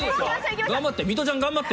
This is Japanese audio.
頑張ってミトちゃん頑張って。